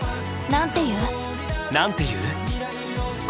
なんて言う？